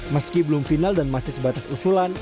meski belum final dan masih sebatas usulan